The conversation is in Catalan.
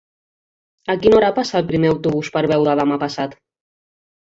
A quina hora passa el primer autobús per Beuda demà passat?